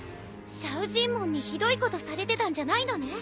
シャウジンモンにひどいことされてたんじゃないのね。